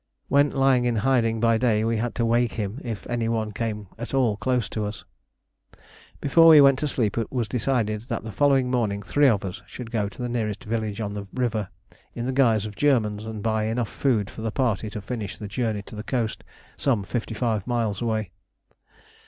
When lying in hiding by day we had to wake him if any one came at all close to us. Before we went to sleep it was decided that the following morning three of us should go to the nearest village on the river in the guise of Germans, and buy enough food for the party to finish the journey to the coast, some fifty five miles away.